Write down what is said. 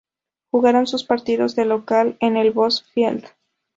Jugaron sus partidos de local en el Bosse Field.